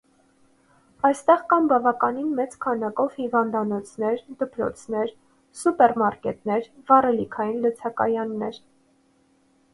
Այստեղ կան բավական մեծ քանակով հիվանդանոցներ, դպրոցներ, սուպերմարկետներ, վառելիքային լցակայաններ։